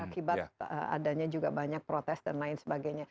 akibat adanya juga banyak protes dan lain sebagainya